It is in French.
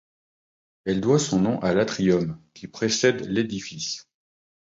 Elle doit son nom à l'atrium qui précède l'édifice.